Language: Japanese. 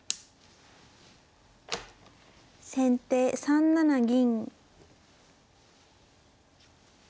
先手３七銀。